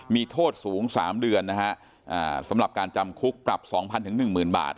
มีโทษสูง๓เดือนนะฮะสำหรับการจำคุกปรับ๒๐๐๑๐๐๐บาท